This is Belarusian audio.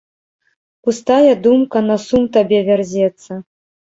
Пустая думка на сум табе вярзецца.